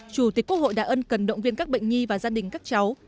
chủ tịch quốc hội đã ân cần động viên các bệnh nhi và gia đình các cháu